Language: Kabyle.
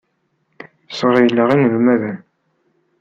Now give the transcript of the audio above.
Sɣeyleɣ inelmaden.